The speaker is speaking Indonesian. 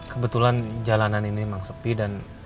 kebetulan jalanan ini memang sepi dan